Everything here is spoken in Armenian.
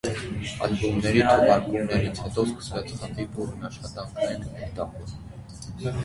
Ալբոմների թողարկումներից հետո սկսվեց խմբի բուռն աշխատանքային էտապը։